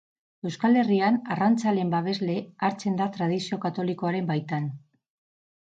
Euskal Herrian arrantzaleen babesle hartzen da tradizio katolikoaren baitan.